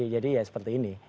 jadi ya seperti ini